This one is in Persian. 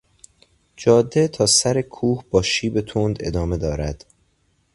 جاده تا سر کوه با شیب تند ادامه دارد.